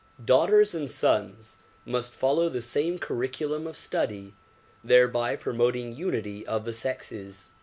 Daughters and sons must follow the same curriculum of study, thereby promoting unity of the sexes.